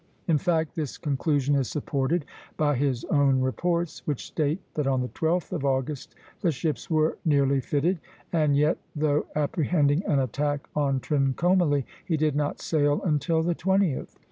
In fact, this conclusion is supported by his own reports, which state that on the 12th of August the ships were nearly fitted; and yet, though apprehending an attack on Trincomalee, he did not sail until the 20th.